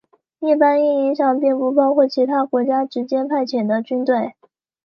一般意义上并不包含其他国家直接派遣的军队。